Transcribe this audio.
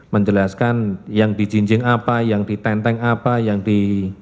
menjelaskan yang dijinjing apa yang ditenteng apa yang di